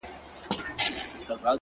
o نړوم غرونه د تمي، له اوږو د ملایکو،